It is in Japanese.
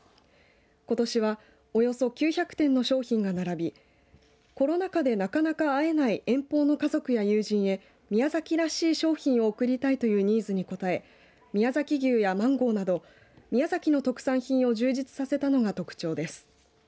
ことしは、およそ９００点の商品が並びコロナ禍で、なかなか会えない遠方の家族や友人へ宮崎らしい商品を贈りたいというニーズに応え宮崎牛やマンゴーなど宮崎の特産品を充実させたのが特徴です。